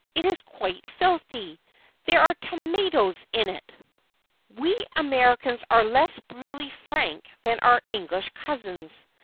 It is quite filthy! There are tomatoes in it!" We Americans are less brutally frank than our English cousins.